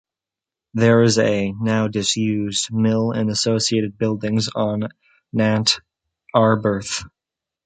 There is a, now disused, mill and associated buildings on the Nant Arberth.